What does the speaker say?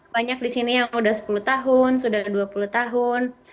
banyak di sini yang sudah sepuluh tahun sudah dua puluh tahun